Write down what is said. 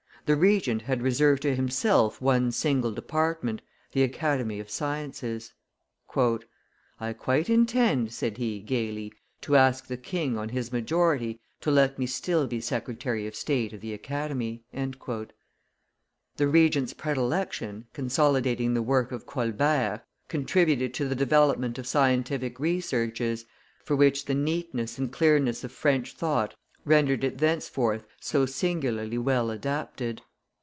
The Regent had reserved to himself one single department, the Academy of Sciences. "I quite intend," said he, gayly, "to ask the king, on his majority, to let me still be Secretary of State of the Academy." The Regent's predilection, consolidating the work of Colbert, contributed to the development of scientific researches, for which the neatness and clearness of French thought rendered it thenceforth so singularly well adapted.